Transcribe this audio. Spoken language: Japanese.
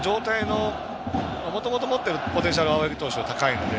もともと持っているポテンシャル青柳投手は高いので。